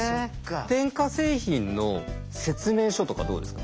電化製品の説明書とかどうですか？